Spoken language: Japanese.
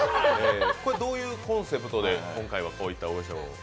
どういうコンセプトで、今回はこういった衣装を？